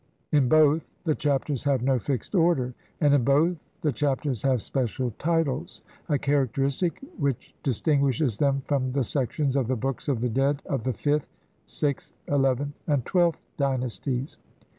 In both the Chap ters have no fixed order, and in both the Chapters have special titles, a characteristic which distinguishes them from the sections of the Books of the Dead of the fifth, sixth, eleventh and twelfth dynasties.